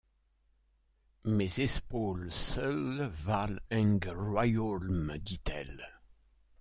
Mes espaules seules valent ung royaulme ! dit-elle.